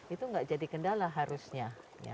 itu nggak jadi kendala harusnya